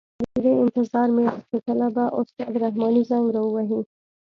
د دې انتظار مې وه چې کله به استاد رحماني زنګ را وهي.